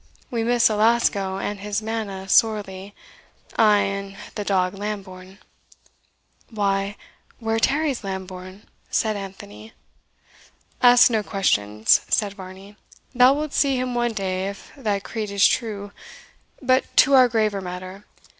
We miss Alasco and his manna sorely ay, and the dog Lambourne." "Why, where tarries Lambourne?" said Anthony. "Ask no questions," said Varney, "thou wilt see him one day if thy creed is true. But to our graver matter.